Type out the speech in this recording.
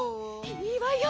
いいわよ